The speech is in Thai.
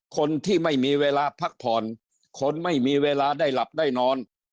คนที่ไม่มีเวลาพักผ่อนคนไม่มีเวลาได้หลับได้นอน